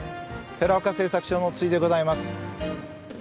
寺岡製作所の辻でございます。